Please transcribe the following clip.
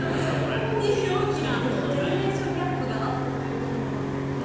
ここに大きなジェネレーションギャップがあったということですが。